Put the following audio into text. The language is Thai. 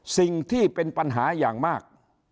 สิ่งที่เป็นปัญหาอย่างมาก